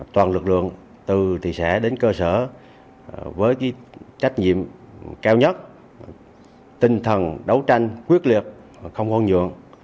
toàn lực lượng từ thị xã đến cơ sở với trách nhiệm cao nhất tinh thần đấu tranh quyết liệt không hôn nhượng